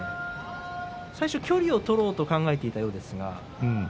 最初は距離を取ろうと考えていたようですが。